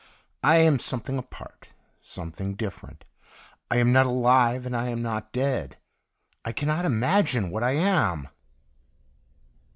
I am some thing apart, something different. I am not alive, and I am not dead. I cannot imagine what I am.